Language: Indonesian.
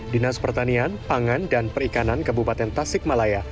dinas pertanian pangan dan perikanan kabupaten tasik malaya